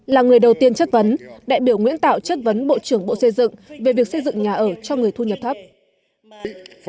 là người đầu tiên chất vấn đại biểu nguyễn tạo chất vấn bộ trưởng bộ xây dựng về việc xây dựng nhà ở cho người thu nhập thấp